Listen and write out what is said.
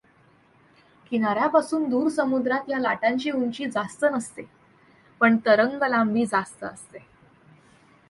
किनाऱ्यापासून दूर समुद्रात या लाटांची उंची जास्त नसते पण तरंगलांबी जास्त असते.